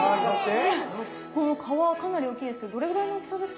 この皮かなり大きいですけどどれぐらいの大きさですかね？